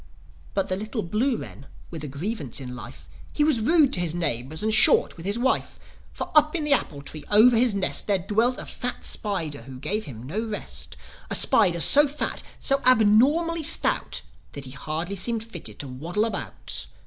But the little blue wren with a grievance in life, He was rude to his neighbours and short with his wife. For, up in the apple tree over his nest, There dwelt a fat spider who gave him no rest: A spider so fat, so abnormally stout That he seemed hardly fitted to waddle about.